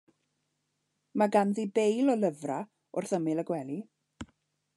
Mae ganddi beil o lyfra wrth ymyl y gwely.